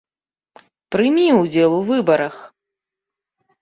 Прымі ўдзел у выбарах!